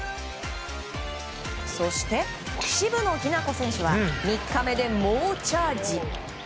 そして、渋野日向子選手は３日目で猛チャージ。